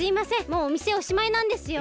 もうおみせおしまいなんですよ。